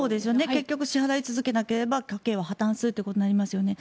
結局、支払い続けなければ家計は破たんすることになりますよね。